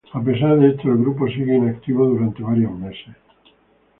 A pesar de esto el grupo sigue inactivo durante varios meses.